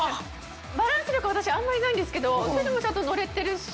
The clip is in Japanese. バランス力私あんまりないんですけどそれでもちゃんと乗れてるし。